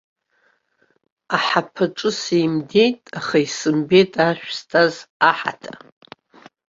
Аҳаԥаҿы сеимдеит, аха исымбеит ашә зҭаз аҳаҭа.